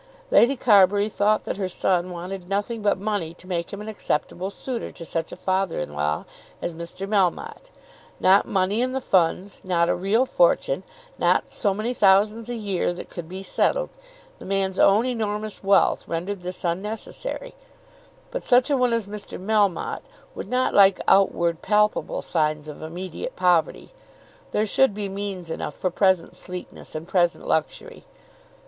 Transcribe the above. Lady Carbury thought that her son wanted nothing but money to make him an acceptable suitor to such a father in law as Mr. Melmotte; not money in the funds, not a real fortune, not so many thousands a year that could be settled; the man's own enormous wealth rendered this unnecessary; but such a one as Mr. Melmotte would not like outward palpable signs of immediate poverty. There should be means enough for present sleekness and present luxury.